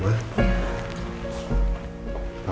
lalu ya pak